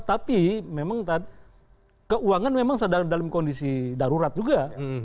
tapi memang keuangan memang dalam kondisi darurat juga